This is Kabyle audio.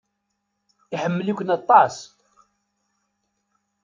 Iḥemmel-iken aṭas.